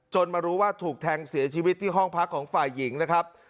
มารู้ว่าถูกแทงเสียชีวิตที่ห้องพักของฝ่ายหญิงนะครับ